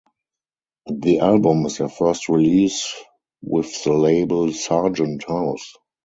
The album is their first release with the label Sargent House.